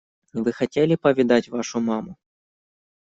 Вы хотели повидать вашу маму?